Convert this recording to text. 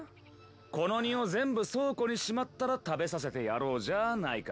この荷を全部倉庫にしまったら食べさせてやろうじゃあないか！！